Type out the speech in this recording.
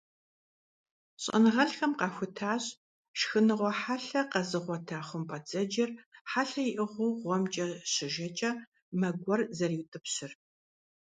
ЩӀэныгъэлӀхэм къахутащ шхыныгъуэ хьэлъэ къэзыгъуэта хъумпӀэцӀэджыр хьэлъэ иӀыгъыу гъуэмкӀэ щыжэкӀэ, мэ гуэр зэриутӀыпщыр.